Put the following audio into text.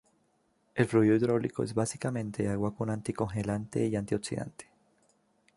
El fluido hidráulico es básicamente agua con anticongelante y antioxidante.